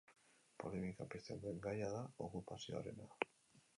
Polemika pizten duen gaia da okupazioarena.